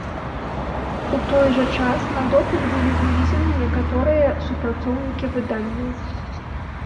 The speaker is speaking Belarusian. У той жа час на допыт былі вывезены некаторыя супрацоўнікі выданняў.